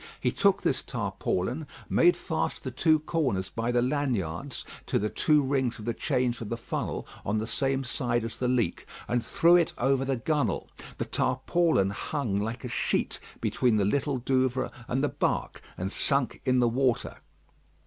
He took this tarpaulin, made fast the two corners by the laniards to the two rings of the chains of the funnel on the same side as the leak, and threw it over the gunwale. The tarpaulin hung like a sheet between the Little Douvre and the bark, and sunk in the water.